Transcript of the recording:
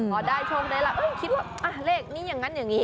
เออพอได้ชมได้แหละเอ้ยคิดว่าอ่ะเลขนี้อย่างงั้นอย่างงี้